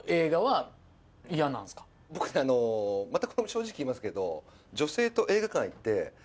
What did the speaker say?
僕ねまた正直言いますけど。